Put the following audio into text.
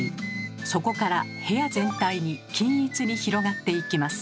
そこから部屋全体に均一に広がっていきます。